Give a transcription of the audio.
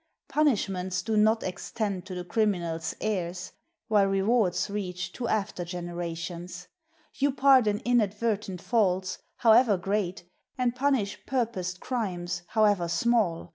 Pun ishments do not extend to the criminal's heirs; while rewards reach to after generations. You pardon inad vertent faults, however great, and punish purposed crimes, however small.